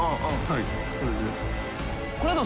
はいそれで。大島）